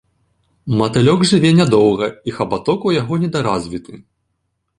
Матылёк жыве нядоўга, і хабаток ў яго недаразвіты.